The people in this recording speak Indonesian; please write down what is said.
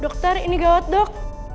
dokter ini gawat dok